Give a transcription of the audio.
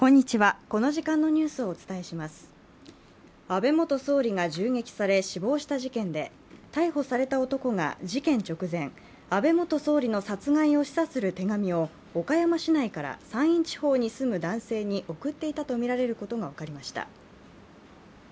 安倍元総理が銃撃され死亡した事件で逮捕された男が事件直前、安倍元総理の殺害を示唆する手紙を岡山市内から山陰地方に住む男性に送っていたとみられることが分かりました。